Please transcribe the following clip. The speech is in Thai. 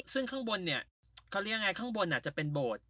ซึ่งข้างบนว่าจะเป็นโบท